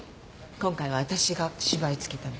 今回は私が芝居つけたの。